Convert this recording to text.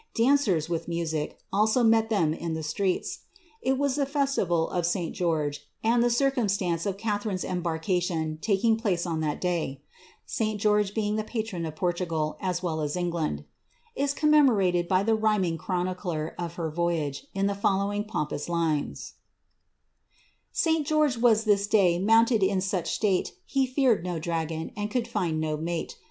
Dancers, music, also met them in the streets. It was the festival of Su IPj and the circumstance of Catharine's embarkation taking place lat day, (St. George being the patron of Portugal as well as Eag* ) is commemorated by the rhyming chronicler of her yoyage, in the iving pompous lines :—^ St. George was this day mounted in such state, He feared no dragon, and could find no mate.